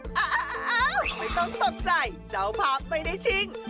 ไม่ต้องต้องใจเจ้าพาปไม่ได้ชิง